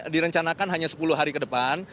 direncanakan hanya sepuluh hari ke depan